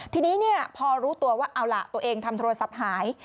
ทีนี้พอรู้ตัวว่าเอาล่ะตัวเองทำโทรศัพท์หาย